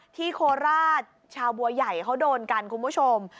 โคราชชาวบัวใหญ่เขาโดนกันคุณผู้ชม